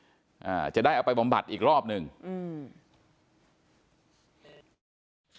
อ่าจะได้เอาไปบำบัดอีกรอบหนึ่งอืม